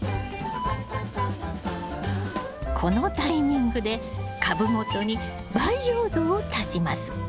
このタイミングで株元に培養土を足します。